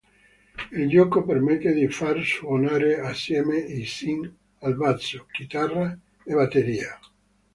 Il gioco permette di far suonare assieme i Sim al basso, chitarra e batteria.